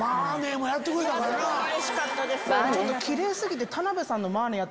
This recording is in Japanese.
うれしかったです。